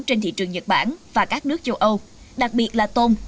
trên thị trường nhật bản và các nước châu âu đặc biệt là tôm